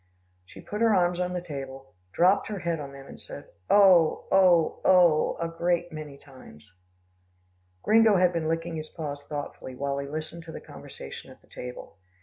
She put her arms on the table, dropped her head on them, and said, "Oh! oh! oh!" a great many times. Gringo had been licking his paw thoughtfully, while he listened to the conversation at the table.